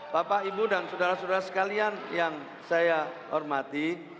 bapak ibu dan saudara saudara sekalian yang saya hormati